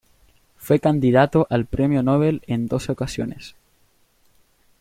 Fue candidato al premio Nobel en doce ocasiones.